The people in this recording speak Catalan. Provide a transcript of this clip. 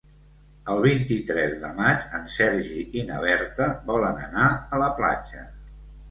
El vint-i-tres de maig en Sergi i na Berta volen anar a la platja.